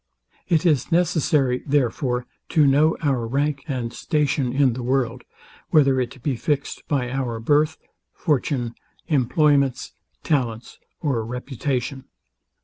It is necessary, therefore, to know our rank and station in the world, whether it be fixed by our birth, fortune, employments, talents or reputation.